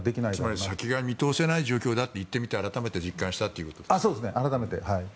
つまり先が見通せない状況だと行ってみて改めて実感したということですね。